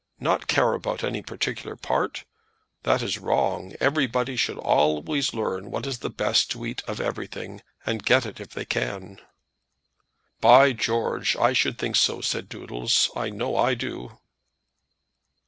Not care about any particular part? That is wrong. Everybody should always learn what is the best to eat of everything, and get it if they can." "By George, I should think so," said Doodles. "I know I do."